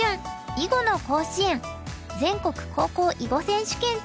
囲碁の甲子園全国高校囲碁選手権大会」。